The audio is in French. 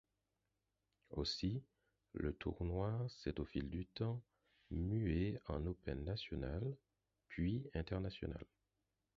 Aussi, le tournoi s'est, au fil du temps, mué en Open national puis international.